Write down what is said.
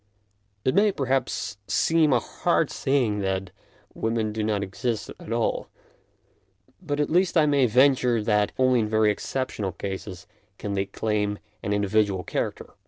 It may, perhaps, seem a hard saying that women do not exist at all, but at least I may venture that only in very exceptional cases can they claim an individual character.